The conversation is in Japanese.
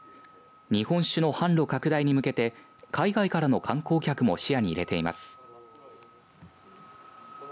日本酒の販路拡大に向けて海外からの観光客も視野に入れています。